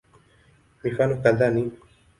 Mifano kadhaa ni